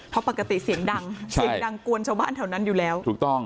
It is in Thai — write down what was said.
เพราะปกติเสียงดังกวนชาวบ้านแถวนั้นอยู่แล้ว